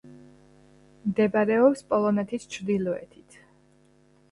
მდებარეობს პოლონეთის ჩრდილოეთით.